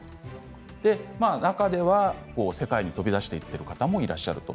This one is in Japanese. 中には世界に飛び出していっている方もいらっしゃいます。